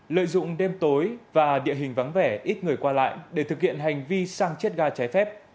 lợi dụng đêm tối và địa hình vắng vẻ ít người qua lại để thực hiện hành vi sang chiết ga trái phép